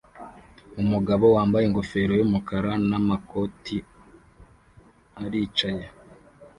Umugabo wambaye ingofero yumukara namakoti aricaye